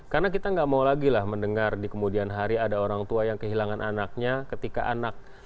karena kita enggak mau lagi lah mendengar di kemudian hari ada orang tua yang kehilangan anaknya ketika anak